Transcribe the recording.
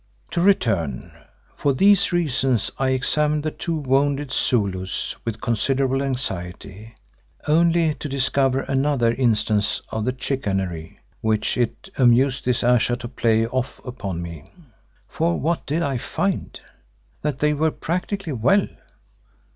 To return, for these reasons I examined the two wounded Zulus with considerable anxiety, only to discover another instance of the chicanery which it amused this Ayesha to play off upon me. For what did I find? That they were practically well.